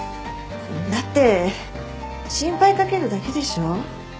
だって心配掛けるだけでしょ。